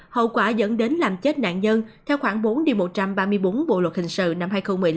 hậu quả dẫn đến làm chết nạn nhân theo khoảng bốn một trăm ba mươi bốn bộ luật hình sự năm hai nghìn một mươi năm